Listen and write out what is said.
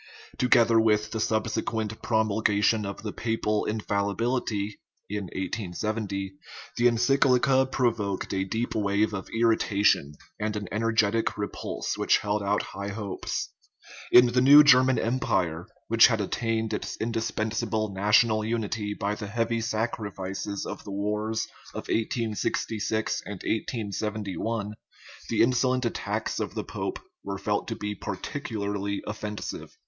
Together with the subsequent promulgation of the papal infallibility (1870), the en cyclica provoked a deep wave of irritation and an en ergetic repulse which held out high hopes. In the new German empire, which had attained its indis pensable national unity by the heavy sacrifices of the wars of 1866 and 1871, the insolent attacks of the pope were felt to be particularly offensive.